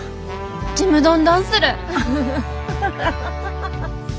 ちむどんどんする。